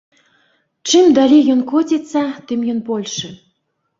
Чым далей ён коціцца, тым ён большы.